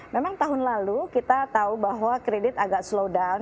memang tahun lalu kita tahu bahwa kredit agak slow down